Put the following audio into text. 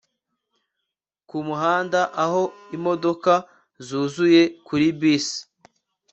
kumuhanda aho imodoka zuzuye kuri bisi